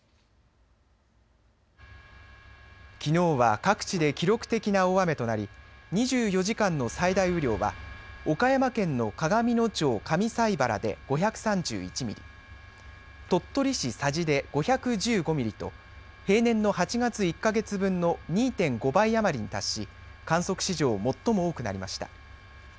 きのうは各地で記録的な大雨となり２４時間の最大雨量は岡山県の鏡野町上齋原で５３１ミリ、鳥取市佐治で５１５ミリと平年の８月１か月分の２．５倍余りに達し観測史上、最も多くなりました。